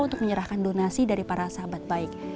untuk menyerahkan donasi dari para sahabat baik